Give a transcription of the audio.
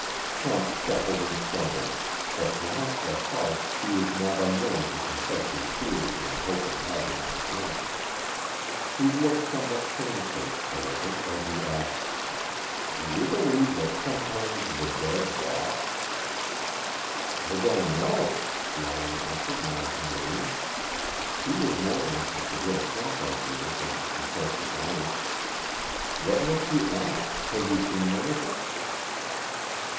Hunt shuffled and stumbled, but perhaps at heart he was not unwilling to confess his fears in the hope of having them quenched. He looked somewhat shamefaced, however, as he asked, "Do you believe that sometimes the dead walk?" "I don't know," Lyon answered non committally. He was more anxious to get at Hunt's ideas than to confess his own. "What makes you ask? Have you seen anything?"